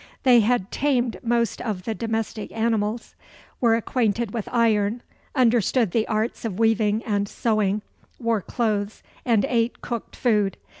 They had tamed most of the domestic animals; were acquainted with iron; understood the arts of weaving and sewing; wore clothes, and ate cooked food.